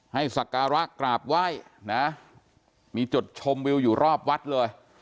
สักการะกราบไหว้นะมีจุดชมวิวอยู่รอบวัดเลย